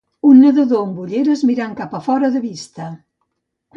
Un nedador amb ulleres mirant cap a fora de vista